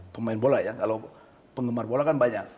pemain bola ya kalau penggemar bola kan banyak